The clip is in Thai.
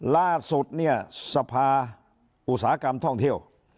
ล่าสุดเนี่ยสภาอุตสาหกรรมท่องเที่ยว